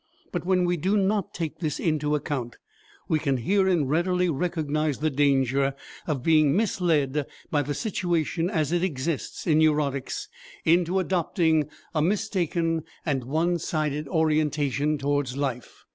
But when we do not take this into account we can herein readily recognize the danger of being misled by the situation as it exists in neurotics into adopting a mistaken and one sided orientation toward life.